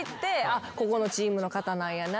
ここのチームの方なんやなと。